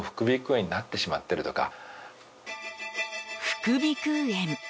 副鼻腔炎。